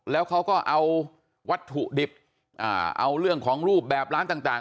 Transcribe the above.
แล้วเขาก็เอาวัตถุดิบเอาเรื่องของรูปแบบร้านต่าง